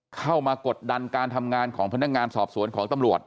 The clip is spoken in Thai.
เข้ามากดดันการทำงานของพนักงานสอบสวนของตำรวจ